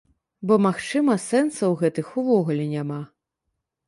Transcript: Бо, магчыма, сэнсаў гэтых увогуле няма.